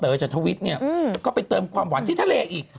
เต๋อชันทวิทย์ก็ไปเติมความหวานที่ทะเลอีก